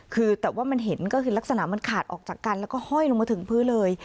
คือแต่ว่ามันเห็นก็คือลักษณะมันขาดออกจากกันแล้วก็ห้อยลงมาถึงพื้นเลย